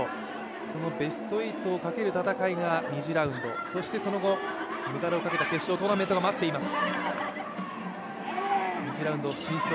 そのベスト８をかける戦いが２次ラウンドそして、その後、メダルをかけた決勝トーナメントが待っています。